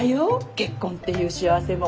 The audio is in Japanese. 結婚っていう幸せも。